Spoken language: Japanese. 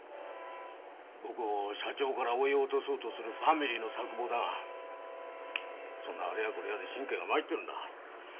僕を社長から追い落とそうとするファミリーの策謀だがそんなあれやこれやで神経が参ってるんだ。